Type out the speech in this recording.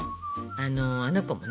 あの子もね